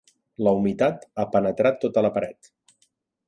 La humitat ha penetrat tota la paret.